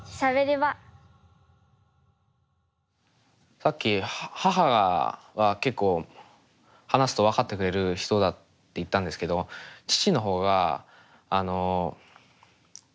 さっき母は結構話すと分かってくれる人だって言ったんですけど父の方があの。